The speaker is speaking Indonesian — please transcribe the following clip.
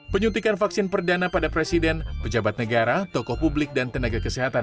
penyuntikan vaksin perdana pada presiden pejabat negara tokoh publik dan tenaga kesehatan